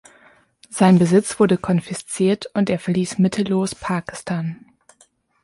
Sein Besitz wurde konfisziert und er verließ mittellos Pakistan.